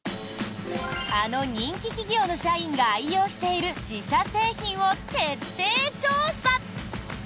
あの人気企業の社員が愛用している自社製品を徹底調査。